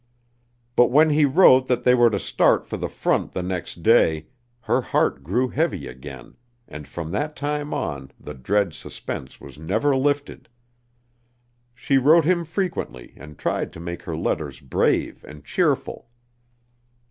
But when he wrote that they were to start for the front the next day, her heart grew heavy again and from that time on the dread suspense was never lifted. She wrote him frequently and tried to make her letters brave and cheerful.